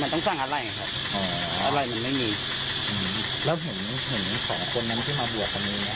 รถสองคันที่จอดตรงนั้นเป็นรถใคร